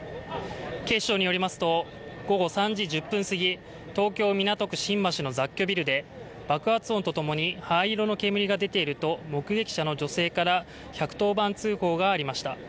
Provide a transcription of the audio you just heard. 警視庁によりますと午後３時１０分過ぎ、東京・港区新橋の雑居ビルで爆発音ともに灰色の煙が出ていると目撃者の女性から１１０番通報がありました。